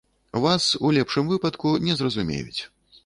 Вас, у лепшым выпадку, не зразумеюць.